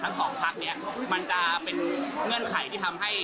สองพักนี้มันจะเป็นเงื่อนไขที่ทำให้